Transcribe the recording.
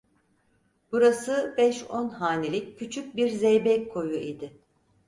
Burası, beş on hanelik küçük bir zeybek koyu idi.